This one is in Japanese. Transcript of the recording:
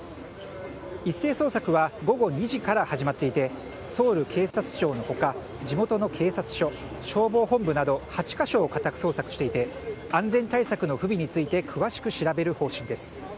一斉捜索は午後２時から始まっていてソウル警察庁の他、地元の警察署消防本部など８か所を家宅捜索していて安全対策の不備について詳しく調べる方針です。